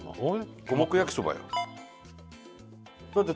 五目焼そばよ。